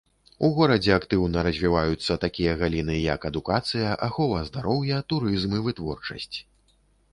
У горадзе актыўна развіваюцца такія галіны, як адукацыя, ахова здароўя, турызм і вытворчасць.